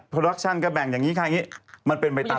โปรดัคชันก็แบ่งอย่างงี้ค่ะมันเป็นใบตาม